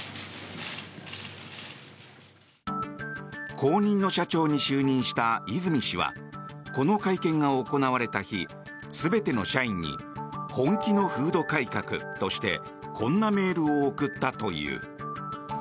後任の社長に就任した和泉氏はこの会見が行われた日全ての社員に本気の風土改革としてこんなメールを送ったという。